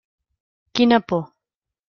Quina por.